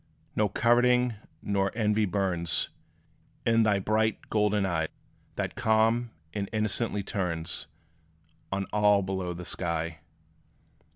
No coveting nor envy burns In thy bright golden eye, That calm and innocently turns On all below the sky.